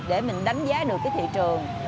để mình đánh giá được cái thị trường